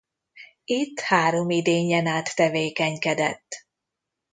Itt három idényen át tevékenykedett.